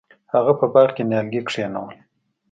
هغه په باغ کې نیالګي کینول.